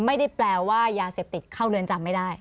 ไม่ได้แปลว่ายาเสพติดเข้าเรือนจำไม่ได้